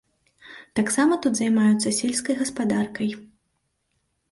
Таксама тут займаюцца сельскай гаспадаркай.